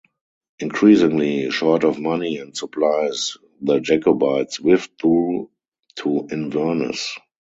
Increasingly short of money and supplies the Jacobites withdrew to Inverness.